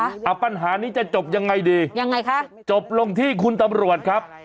อ่าปัญหานี้จะจบยังไงดียังไงคะจบลงที่คุณตำรวจครับ